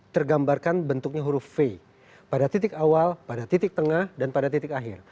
tergambarkan bentuknya huruf v pada titik awal pada titik tengah dan pada titik akhir